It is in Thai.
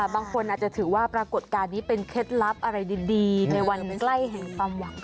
บางคนอาจจะถือว่าปรากฏการณ์นี้เป็นเคล็ดลับอะไรดีในวันใกล้แห่งความหวัง